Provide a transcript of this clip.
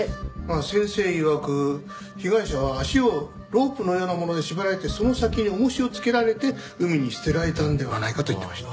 先生いわく被害者は足をロープのようなもので縛られてその先に重しをつけられて海に捨てられたのではないかと言ってました。